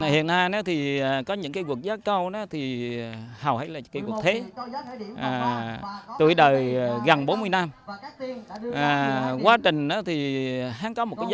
hiện nay có những cây quất giá cao thì hầu hết là cây quất thế tuổi đời gần bốn mươi năm